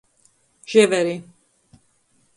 Ževeri.